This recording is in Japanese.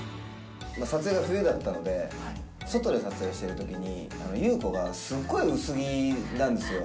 撮影が冬だったので、外で撮影しているときに、優子がすごい薄着なんですよ。